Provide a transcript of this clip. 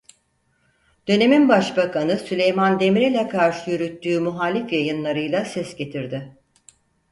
Dönemin Başbakan'ı Süleyman Demirel'e karşı yürüttüğü muhalif yayınlarıyla ses getirdi.